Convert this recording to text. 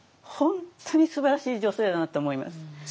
本当にすばらしい女性だなと思います。